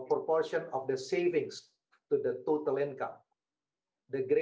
kalau kamu bisa ke kapal selanjutnya